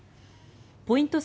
ポイント